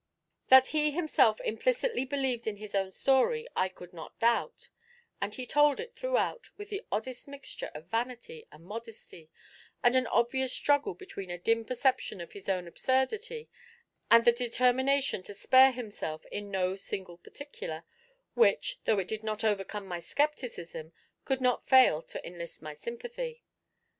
That he himself implicitly believed in his own story, I could not doubt; and he told it throughout with the oddest mixture of vanity and modesty, and an obvious struggle between a dim perception of his own absurdity and the determination to spare himself in no single particular, which, though it did not overcome my scepticism, could not fail to enlist sympathy.